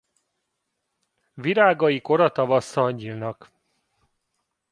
Virágai kora tavasszal nyílnak.